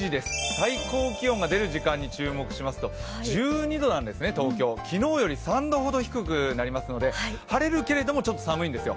最高気温が出る時間に注目しますと１２度なんですね、東京昨日よりも３度ほど低くなりますので晴れるけれども、ちょっと寒いんですよ。